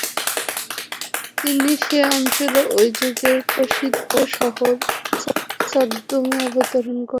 তিনি সে অঞ্চলে ঐ যুগের প্রসিদ্ধ শহর সাদ্দূমে অবতরণ করেন।